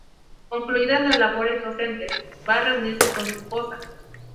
Concluidas las labores docentes, va a reunirse con su esposa.